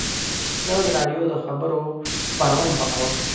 زه د راډیو د خبرو خپرونې خوښوم.